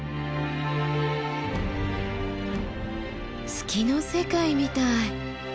月の世界みたい。